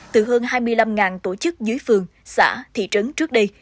từ hơn hai mươi năm tổ chức dưới phường xã thị trấn trước đây